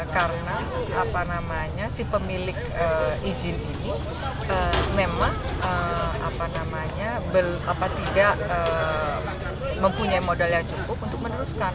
karena si pemilik izin ini memang tidak mempunyai modal yang cukup untuk meneruskan